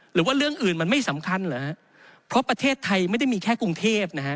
หรือว่าเรื่องอื่นมันไม่สำคัญเหรอฮะเพราะประเทศไทยไม่ได้มีแค่กรุงเทพนะฮะ